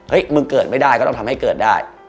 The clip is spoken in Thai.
มึงเกิดไม่ได้ก็ต้องทำให้เกิดได้